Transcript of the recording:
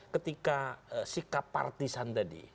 ketika sikap partisan tadi